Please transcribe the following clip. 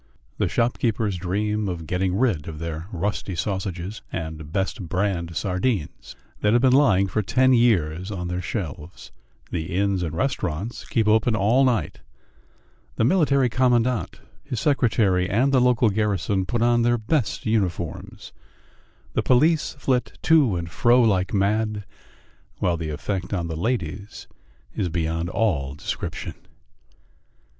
The shopkeepers dream of getting rid of the rusty sausages and "best brand" sardines that have been lying for ten years on their shelves; the inns and restaurants keep open all night; the Military Commandant, his secretary, and the local garrison put on their best uniforms; the police flit to and fro like mad, while the effect on the ladies is beyond all description.